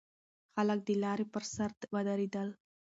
خلک د لارې پر سر ودرېدل.